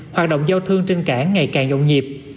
hoạt động giao thương trên cảng ngày càng nhộn nhịp